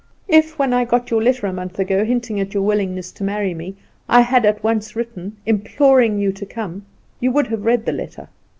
If, when I got your letter a month ago, hinting at your willingness to marry me, I had at once written, imploring you to come, you would have read the letter.